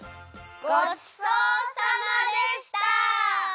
ごちそうさまでした！